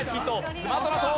スマトラ島。